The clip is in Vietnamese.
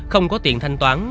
không có tiền thanh toán